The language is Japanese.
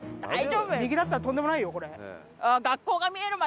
右だったらとんでもないよこれ。